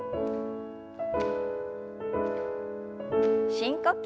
深呼吸。